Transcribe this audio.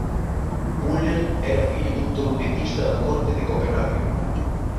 Müller era fillo dun trompetista da corte de Copenhaguen.